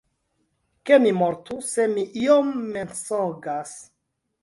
Ke mi mortu, se mi iom mensogas!